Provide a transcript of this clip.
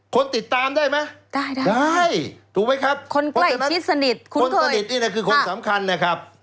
คนติดตามได้ไหมได้ได้ถูกไหมครับคนใกล้ชิดสนิทคนสนิทนี่นะคือคนสำคัญนะครับ